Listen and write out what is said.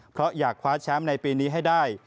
เพราะอยากคว้าแชมป์ในปีนี้ให้ได้